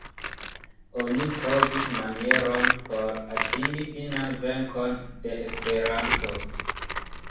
Oni trovis manieron por atingi finan venkon de Esperanto!